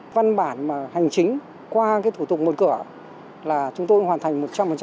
văn bản mà hành chính qua thủ tục một cửa là chúng tôi hoàn thành một trăm linh